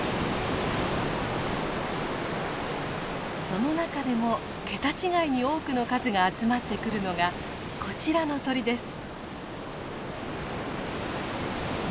その中でも桁違いに多くの数が集まってくるのがこちらの鳥です。